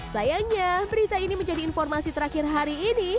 sayangnya berita ini menjadi informasi terakhir hari ini